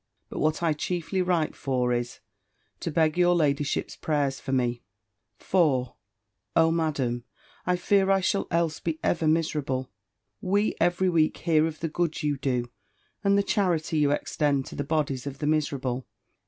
But what I chiefly write for is, to beg your ladyship's prayers for me. For, oh! Madam, I fear I shall else be ever miserable! We every week hear of the good you do, and the charity you extend to the bodies of the miserable.